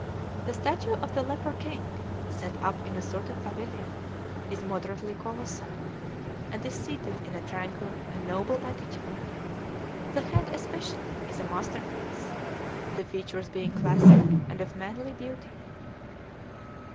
The statue of the Leper King, set up in a sort of pavilion, is moderately colossal, and is seated in a tranquil and noble attitude; the head especially is a masterpiece, the features being classic and of manly beauty.